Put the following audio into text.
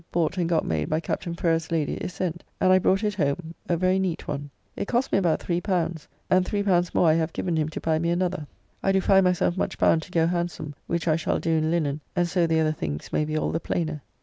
] bought and got made by Captain Ferrers' lady, is sent, and I brought it home, a very neat one. It cost me about L3, and L3 more I have given him to buy me another. I do find myself much bound to go handsome, which I shall do in linen, and so the other things may be all the plainer.